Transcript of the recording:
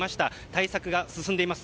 対策が進んでいます。